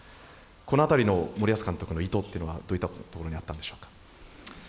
この辺りの森保監督の意図というのはどういったところにあったのでしょうか。